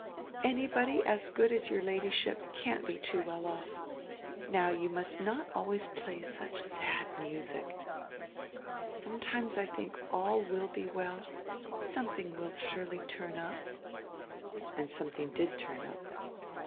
"Anybody as good as your Ladyship can't be too well off. Now you must not always play such sad music. Sometimes I think all will be well yet, some tiling will surely turn up." And something did turn up.